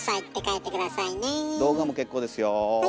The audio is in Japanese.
動画も結構ですよ。